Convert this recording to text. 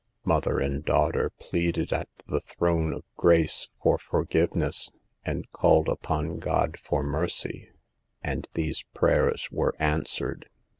Mother and daughter pleaded at the Throne of Grace for forgiveness, and called upon God for mercy, and these prayers were answered.